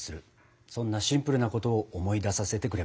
そんなシンプルなことを思い出させてくれました。